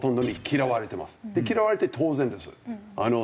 嫌われて当然です。